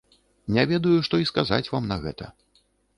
Не ведаю, што й сказаць вам на гэта.